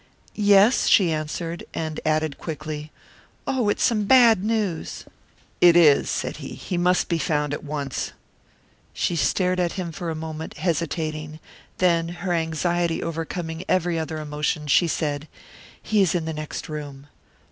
"Yes," she answered, and added quickly, "Oh! it's some bad news!" "It is," said he. "He must be found at once." She stared at him for a moment, hesitating; then, her anxiety overcoming every other emotion, she said, "He is in the next room."